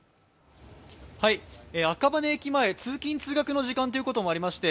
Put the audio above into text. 赤羽駅前、通勤・通学の時間ということもありまして